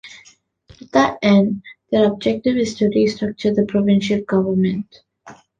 To that end, their objective is to restructure the provincial government.